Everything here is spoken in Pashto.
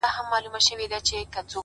• پکښي عیب یې وو د هر سړي کتلی ,